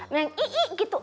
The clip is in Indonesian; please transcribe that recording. neng ii gitu